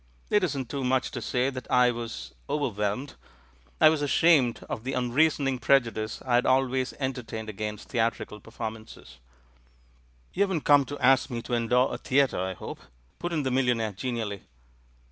It isn't too much to say that I was 'overwhelmed.' I was ashamed of the unreasoning prejudice I had al ways entertained against theatrical perform ances." THE FAVOURITE PLOT 263 "You haven't come to ask me to endow a the atre, I hope?" put in the milHonaire genially.